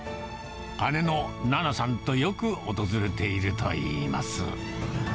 姉の菜那さんとよく訪れているといいます。